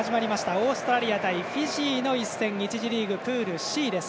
オーストラリア対フィジーの一戦１次リーグ、プールＣです。